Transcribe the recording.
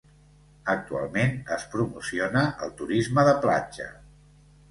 Actualment es promociona el turisme de platja.